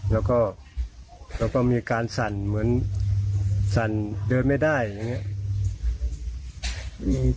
แล้วก็มีการสั่นเหมือนสั่นเดินไม่ได้อย่างนี้